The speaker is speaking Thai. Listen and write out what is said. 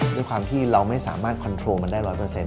ด้วยความที่เราไม่สามารถคอนโทรลมันได้๑๐๐